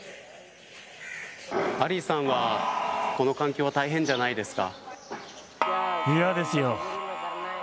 アリさんはこの環境は大変じゃないですか。